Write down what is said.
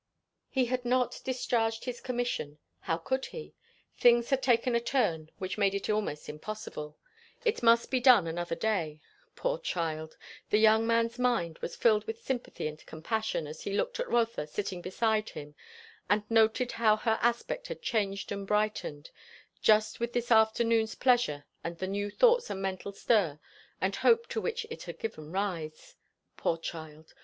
He had not discharged his commission; how could he? Things had taken a turn which made it almost impossible. It must be done another day. Poor child! The young man's mind was filled with sympathy and compassion, as he looked at Rotha sitting beside him and noted how her aspect had changed and brightened; just with this afternoon's pleasure and the new thoughts and mental stir and hope to which it had given rise. Poor child!